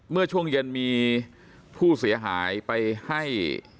เมื่อช่วงเย็นมีผู้เสียหายไปให้